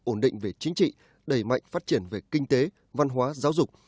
ổn định về chính trị đẩy mạnh phát triển về kinh tế văn hóa giáo dục